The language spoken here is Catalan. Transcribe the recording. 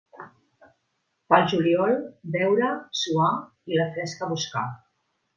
Pel juliol, beure, suar i la fresca buscar.